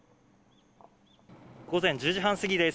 午前１０時半過ぎです。